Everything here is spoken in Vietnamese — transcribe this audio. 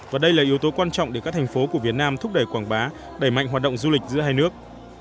và đây là yếu tố quan trọng để các thành phố của việt nam thúc đẩy quảng bá đẩy mạnh hoạt động du lịch giữa hai nước